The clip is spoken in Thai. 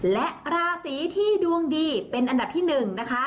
และราศีที่ดวงดีเป็นอันดับที่๑นะคะ